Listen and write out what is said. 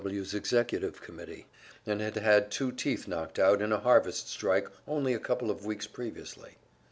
W.'s executive committee, and had had two teeth knocked out in a harvest strike only a couple of weeks previously.